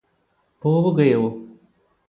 പോവുകയോ